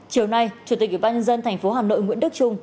chiều nay chủ tịch ủy ban nhân dân thành phố hà nội nguyễn đức trung